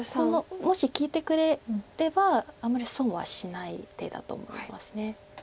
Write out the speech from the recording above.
もし利いてくれればあんまり損はしない手だと思います。